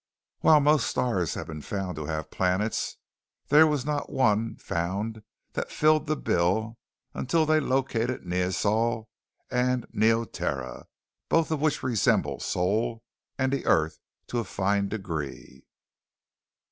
While most stars have been found to have planets, there was not one found that filled the bill until they located Neosol and Neoterra, both of which resemble Sol and the earth to a fine degree.